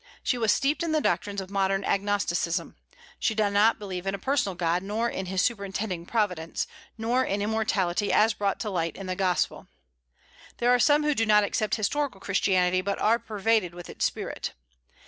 She was steeped in the doctrines of modern agnosticism. She did not believe in a personal God, nor in His superintending providence, nor in immortality as brought to light in the gospel. There are some who do not accept historical Christianity, but are pervaded with its spirit.